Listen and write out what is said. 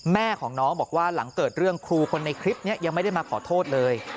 แม่ของน้องบอกว่าหลังเกิดเรื่องครูคนในคลิปนี้ยังไม่ได้มาขอโทษเลย